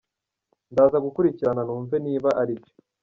Ndaza gukurikirana numve niba ari byo.